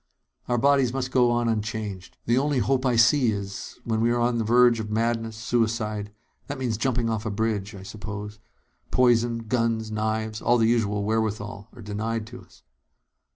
"Our bodies must go on unchanged. The only hope I see is when we are on the verge of madness, suicide. That means jumping off a bridge, I suppose. Poison, guns, knives all the usual wherewithal are denied to us."